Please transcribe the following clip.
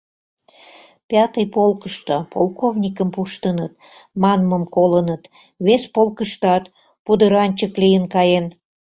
— «Пятый полкышто полковникым пуштыныт» манмым колыныт, вес полкыштат пудыранчык лийын каен.